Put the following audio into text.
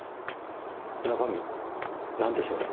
中身なんでしょうね？